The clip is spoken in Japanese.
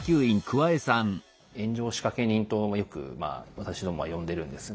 炎上仕掛け人とよくまあ私どもは呼んでるんですが。